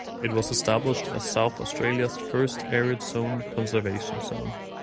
It was established as South Australia's first arid zone conservation zone.